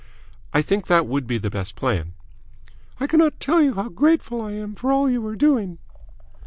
"I think that would be the best plan." "I cannot tell you how grateful I am for all you are doing."